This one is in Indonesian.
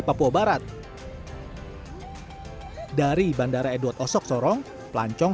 papua barat dari bandara edward osok sorong pelancong